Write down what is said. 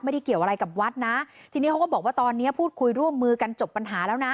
เกี่ยวอะไรกับวัดนะทีนี้เขาก็บอกว่าตอนนี้พูดคุยร่วมมือกันจบปัญหาแล้วนะ